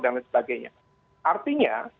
dan lain sebagainya artinya